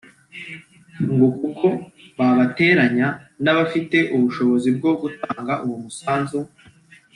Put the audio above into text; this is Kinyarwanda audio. ngo kuko babateranya n’abafite ubushobozi bwo gutanga uwo musanzu